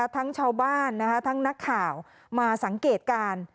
ทั้งชาวบ้านทั้งนักข่าวมาสังเกตการณ์